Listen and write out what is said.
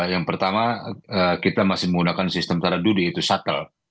yang pertama kita masih menggunakan sistem tarah dudih itu shuttle